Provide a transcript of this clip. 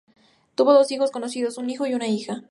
Tuvo dos hijos conocidos, un hijo y una hija.